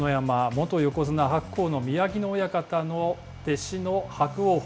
元横綱・白鵬の宮城野親方の弟子の伯桜鵬。